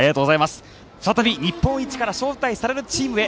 再び日本一から招待されるチームへ。